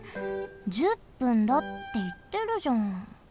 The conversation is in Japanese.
１０分だっていってるじゃん。